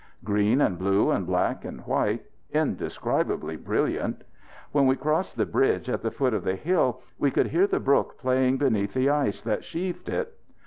Green and blue and black and white, indescribably brilliant. When we crossed the bridge at the foot of the hill we could hear the brook playing beneath the ice that sheathed it.